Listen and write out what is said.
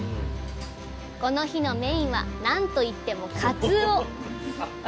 この日のメインはなんといっても鰹。